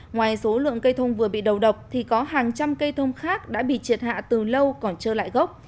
ngoài số lượng cây thông vừa bị đầu độc thì có hàng trăm cây thông khác đã bị triệt hạ từ lâu còn trơ lại gốc